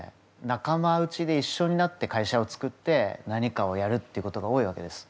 仲間内で一緒になって会社を作って何かをやるっていうことが多いわけです。